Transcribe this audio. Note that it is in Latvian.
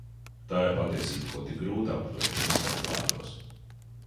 Tā ir patiesība, ko tik grūti aptvert un izteikt vārdos.